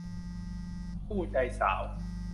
คู่ใจสาว